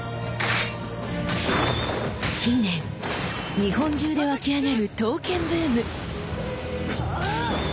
近年日本中で沸き上がる刀剣ブーム。